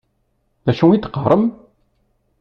D acu i ad teqqaṛem?